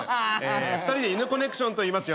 ２人でイヌコネクションといいます。